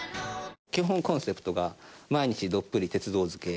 基本コンセプトが「毎日どっぷり鉄道漬け！」。